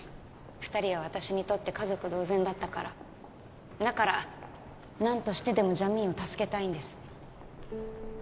２人は私にとって家族同然だったからだから何としてでもジャミーンを助けたいんです